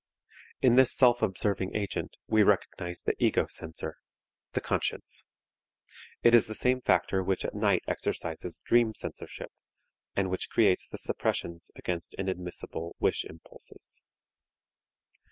In this self observing agent we recognize the ego censor, the conscience; it is the same factor which at night exercises dream censorship, and which creates the suppressions against inadmissible wish impulses.